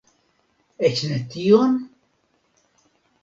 Eĉ ne tion?